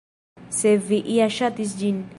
Se vi ja ŝatis ĝin